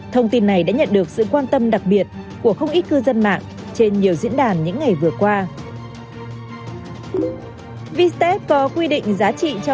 thông tin này đã nhận được sự quan tâm đặc biệt của không ít cư dân mạng trên nhiều diễn đàn những ngày vừa qua